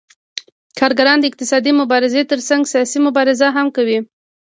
کارګران د اقتصادي مبارزې ترڅنګ سیاسي مبارزه هم کوي